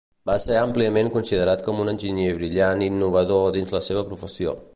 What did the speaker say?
Va ser àmpliament considerat com un enginyer brillant i innovador dins la seva professió.